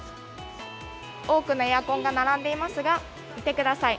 多くのエアコンが並んでいますが、見てください。